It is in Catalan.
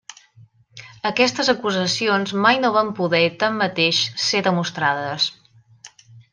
Aquestes acusacions mai no van poder, tanmateix, ser demostrades.